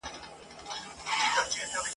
لکه په دښت کي غوړېدلی ګلاب ..